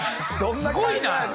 すごいな！